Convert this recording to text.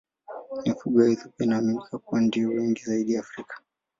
Mifugo ya Ethiopia inaaminika kuwa ndiyo wengi zaidi Afrika.